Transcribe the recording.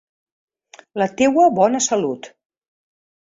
La teua bona salut.